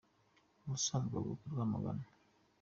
Ubusanzwe avuka i Rwamagana.